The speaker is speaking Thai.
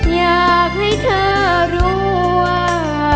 อยากให้เธอรู้ว่า